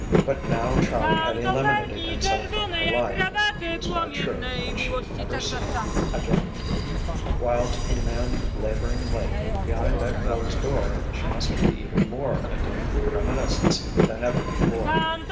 But now Charlie had eliminated himself from her life (she was quite sure that she would never see him again) while to the man labouring late, behind that closed door, she must be even more a dim reminiscence than ever before.